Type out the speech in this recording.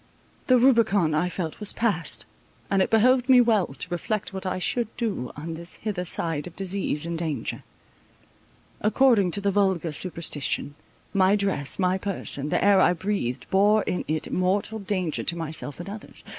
The Rubicon, I felt, was passed; and it behoved me well to reflect what I should do on this hither side of disease and danger. According to the vulgar superstition, my dress, my person, the air I breathed, bore in it mortal danger to myself and others.